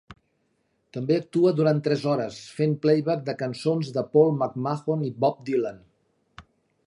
També actua durant tres hores, fent playback de cançons de Paul McMahon i Bob Dylan.